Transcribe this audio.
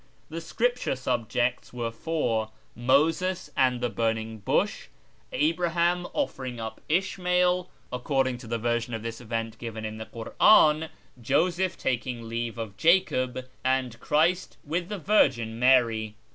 The scripture subjects were our: Moses and the Burning Bush; Abraham offering up 'shmael (according to the version of this event given in the 274 A YEAR AMONGST THE PERSIANS KurVm) ; Joseph taking leave of Jacob ; and Christ with the Vii'uin jMary.